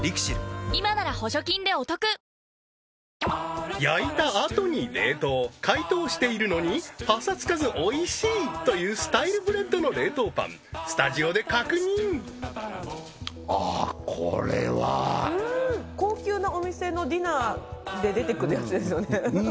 今なら補助金でお得焼いた後に冷凍解凍しているのにパサつかずおいしいというスタイルブレッドの冷凍パンスタジオで確認あっこれは高級なお店のディナーで出てくるやつですよね